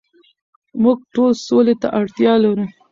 موږ ټول سولې ته اړتیا لرو.